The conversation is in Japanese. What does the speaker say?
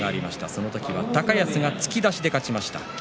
その時は高安が突き出しで勝ちました。